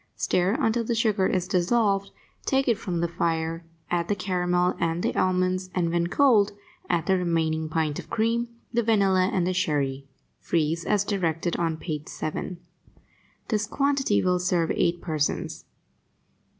Stir until the sugar is dissolved, take it from the fire, add the caramel and the almonds, and, when cold, add the remaining pint of cream, the vanilla and the sherry. Freeze as directed on page 7. This quantity will serve eight persons.